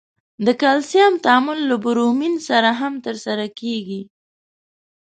د کلسیم تعامل له برومین سره هم ترسره کیږي.